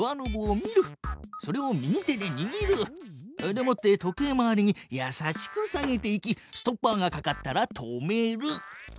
でもって時計回りにやさしく下げていきストッパーがかかったら止める。